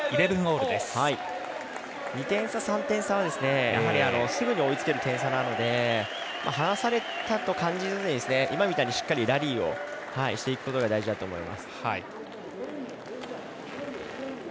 ２点差、３点差はすぐに追いつける点差なので離されたと感じるより今みたいにしっかりラリーをしていくことが大事だと思います。